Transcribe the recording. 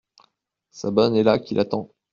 Sa bonne est là qui l’attend.